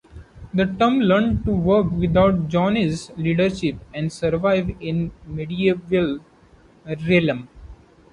The team learned to work without Johnny's leadership and survive in the medieval realm.